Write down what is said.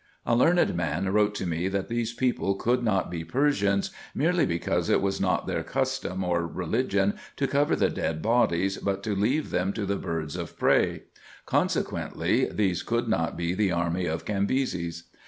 A learned man wrote to me, that these people could not be Persians, merely because it was not their custom or religion to cover the dead bodies, but to leave them to the birds of prey ; con sequently, these could not be the army of Cambyses.